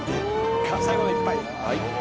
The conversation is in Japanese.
最後の一杯。